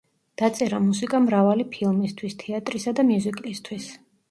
დაწერა მუსიკა მრავალი ფილმისთვის, თეატრისა და მიუზიკლისთვის.